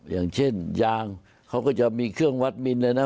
อย่างเช่นยางเขาก็จะมีเครื่องวัดมินเลยนะ